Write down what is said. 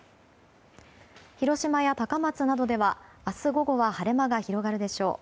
広島や高松などでは、明日午後は晴れ間が広がるでしょう。